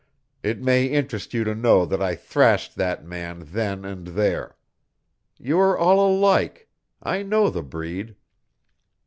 It may interest you to know that I thrashed that man then and there. You are all alike; I know the breed.